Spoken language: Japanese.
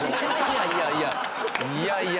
いやいや。